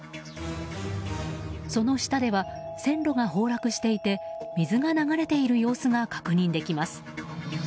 その下では、線路が崩落していて水が流れている様子が確認できます。